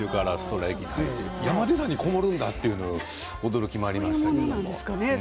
山寺に籠もるんだという驚きもありました。